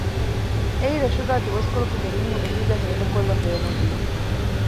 އެއީ ރަށުގައި ދުވަސްކޮޅަކު ދެމީހުން އެކީގައި ހޭދަކޮށްލަން ބޭނުންވީމަ